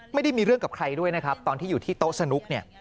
ไม่ได้มีเรื่องกับใครด้วยนะครับตอนที่อยู่ที่โต๊ะสนุกเนี่ย